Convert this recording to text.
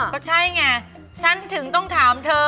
ก็ใช่ไงฉันถึงต้องถามเธอ